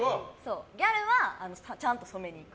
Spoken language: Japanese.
ギャルは、ちゃんと染めに行く。